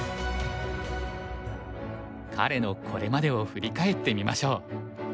彼のこれまでを振り返ってみましょう。